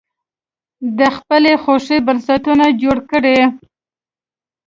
د خپلې خوښې بنسټونه جوړ کړي.